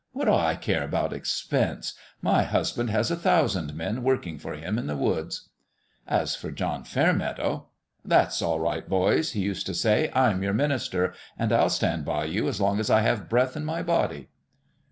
" What do I care about expense ? My husband has a thousand men working for him in the woods !" As for John Fairmeadow "That's all right, boys," he used to say. "I'm your minister ; and I'll stand by you as long as I have breath in my body."